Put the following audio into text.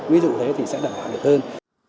ví dụ thế thì sẽ đảm bảo được hơn